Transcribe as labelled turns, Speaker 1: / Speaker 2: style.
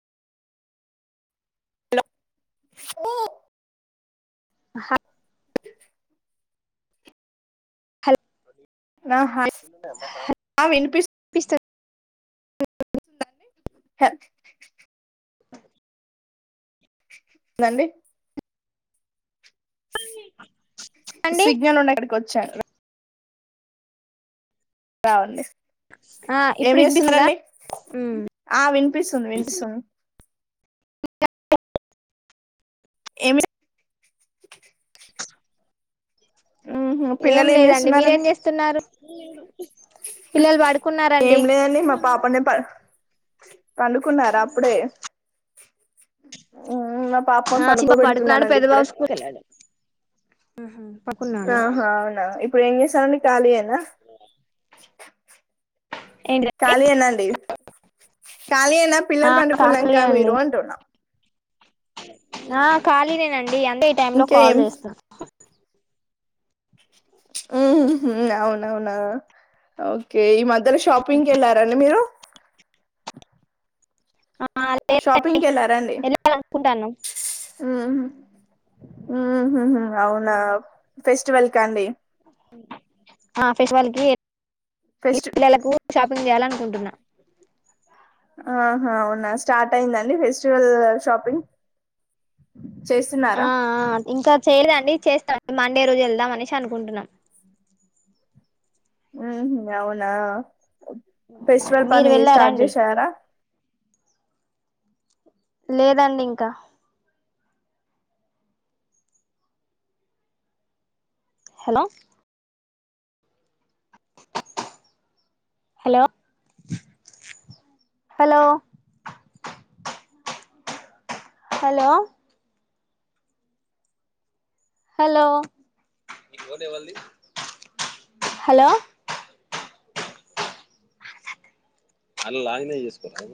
Speaker 1: Hello
Speaker 2: ఆ హాట్. హాల్.
Speaker 1: ఆా వినిపిస్తు
Speaker 2: వినిపిస్తుందా
Speaker 1: గుర్తుందా అండి? హెల్ప్.
Speaker 2: అవును.
Speaker 1: నండి.
Speaker 2: అండి
Speaker 1: సిగ్నల్, ఉండ ఇక్కడికి వచ్చా. రావండి.
Speaker 2: ఆ
Speaker 1: ఏం
Speaker 2: ఇప్పుడు వినిపిస్తుందా
Speaker 1: చేస్తున్నారండి?
Speaker 2: ఉమ్
Speaker 1: ఆ, వినిపిస్తుంది వినిపిస్తుంది. చిక్. ఏం? స
Speaker 2: చచ్.
Speaker 1: ఉహు
Speaker 2: ఏం
Speaker 1: పిల్లలు
Speaker 2: లేదండి, మీరేం
Speaker 1: చేస్తున్నారండి
Speaker 2: జేస్తున్నారు? పిల్లలు
Speaker 1: ఏం
Speaker 2: పడుకున్నారండి.
Speaker 1: లేదండి
Speaker 2: పడుకున్నారూ?
Speaker 1: పడుకున్నార? అప్పుడే, మ్. మ్మ్. నా పాపని
Speaker 2: ఆ చిన్న బాబు
Speaker 1: పడుకోబెడుతున్నానండి, ఇప్పుడే.
Speaker 2: మ్మ్.
Speaker 1: ఆహా! అవునా ఇప్పుడు ఏం చేస్తారండి ఖాళీఏనా?
Speaker 2: ఏంటిదండి
Speaker 1: ఖాళీయేనా అండి? ఖాళీయేనా?
Speaker 2: ఆ
Speaker 1: పిల్లలు
Speaker 2: ఖాళీ
Speaker 1: పడుకున్నాక
Speaker 2: అండి
Speaker 1: మీరు అంటున్నా?
Speaker 2: ఆ ఖాళీనే అండి. అంతే ఈ టైంలో కాల్
Speaker 1: ఇంకేం
Speaker 2: జేస్తున్న.
Speaker 1: ఉహు, అవునవునా. ఓకే, ఈ మధ్ ఇద్దరూ షాపింగ్ వెళ్లారండి మీరు?
Speaker 2: ఆ, లేదండి.
Speaker 1: షాపింగ్కి వెళ్ళారండి
Speaker 2: ఏలా అనుకుంటన్నాం?
Speaker 1: ఉహు. ఉహుహు.. అవునా? ఫెస్టివల్ కండి.
Speaker 2: ఆ ఫెస్టివల్ కి [unintelligible]
Speaker 1: ఫెస్ట్
Speaker 2: పిల్లలకు, షిప్పింగ్. కొనియాలి అనుకుంటున్నా.
Speaker 1: ఆహా, అవునా! స్టార్ట్ అయిందండి ఫెస్టివల్ షాపింగ్? చేస్తున్నారా
Speaker 2: ఆ.. ఆ, ఇంకా చేయలేదండి. చేస్త మండే రోజు వెళ్దామ అనేసి అనుకుంటున్నాం
Speaker 1: ఊహు అవునా ఫెస్టివల్
Speaker 2: మీరు
Speaker 1: పని
Speaker 2: వెళ్ళారా
Speaker 1: స్టార్ట్
Speaker 2: అండి
Speaker 1: చేసారా
Speaker 2: లేదండి ఇంకా hello hello hello hello hello hello అల్లాయినే యస్కోంట